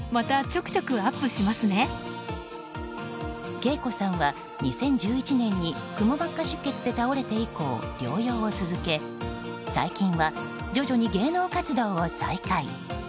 ＫＥＩＫＯさんは２０１１年にくも膜下出血で倒れて以降療養を続け、最近は徐々に芸能活動を再開。